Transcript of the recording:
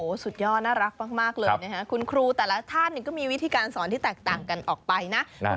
สุดยอดน่ารักมากเลยนะคะคุณครูแต่ละท่านก็มีวิธีการสอนที่แตกต่างกันออกไปนะ